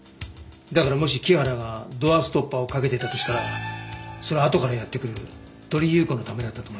だからもし木原がドアストッパーをかけていたとしたらそれはあとからやって来る鳥居優子のためだったと思います。